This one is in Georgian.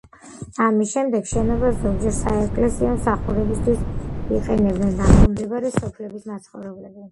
ამის შემდეგ, შენობას ზოგჯერ საეკლესიო მსახურებისთვის იყენებდნენ ახლომდებარე სოფლების მაცხოვრებლები.